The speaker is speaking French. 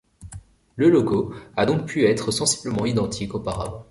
Le logo a donc pu être sensiblement identique auparavant.